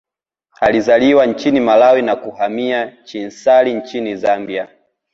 Alizaliwa nchini Malawi na kuhamia Chinsali nchini Zambia